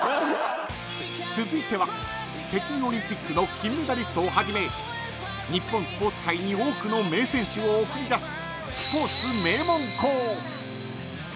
［続いては北京オリンピックの金メダリストをはじめ日本スポーツ界に多くの名選手を送り出す］